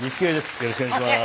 よろしくお願いします。